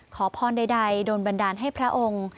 ขอพรใดโดนบันดาลให้พระองค์